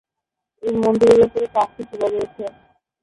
এই মন্দিরে উপরে পাঁচটি চূড়া রয়েছে।